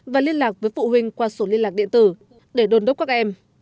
và liên lạc với phụ huynh qua sổ liên lạc điện tử để đồn đốc các em